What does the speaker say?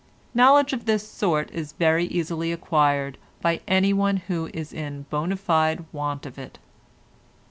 Knowledge of this sort is very easily acquired by anyone who is in bona fide want of it.